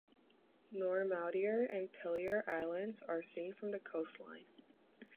Noirmoutier and Pilier Islands are seen from the coastline.